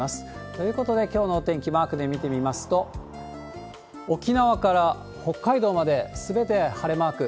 ということで、きょうのお天気、マークで見てみますと、沖縄から北海道まで、すべて晴れマーク。